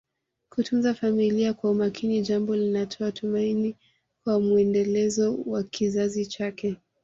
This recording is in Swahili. Kutunza familia kwa umakini jambo linatoa tumaini kwa mwendelezo wa kizazi chake